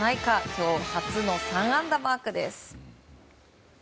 今日初の３安打マークです。